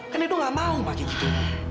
kan edo gak mau makanya gitu